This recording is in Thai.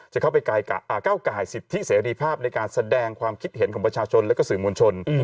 จะเข้าไปก้าวกายสิทธิเสรีภาพในการแสดงความคิดเห็นของประชาชนและก็สื่อมวลชน